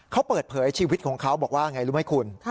เขาเปิดเผยชีวิตของเขาบอกว่าไงรู้ไหมคุณ